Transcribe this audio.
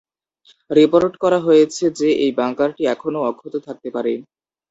Report করা হয়েছে যে এই বাঙ্কারটি এখনও অক্ষত থাকতে পারে।